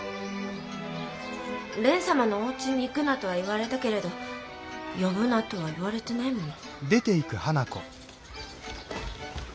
「蓮様のおうちに行くな」とは言われたけれど「呼ぶな」とは言われてないもの。